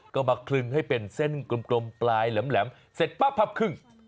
ก็มาคลึงให้เป็นเส้นกลมปลายแหลมเสร็จปั๊บพับครึ่ง